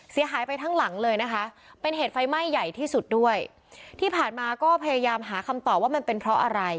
เสียหายไปทั้งหลังเลยนะคะเป็นเหตุไฟไหม้ใหญ่ที่สุดด้วยที่ผ่านมาก็พยายามหาคำตอบว่ามันเป็นเพราะอะไร